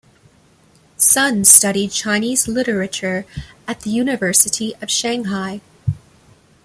Sun studied Chinese literature at the University of Shanghai.